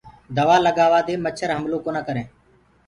دوآ لگآوآ دي مڇر هملو ڪونآ ڪرينٚ۔